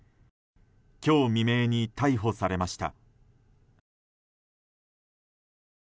今日未明に逮捕されました。